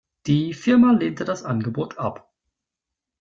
Die Firma lehnte das Angebot ab.